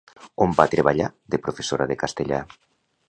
On va treballar de professora de castellà?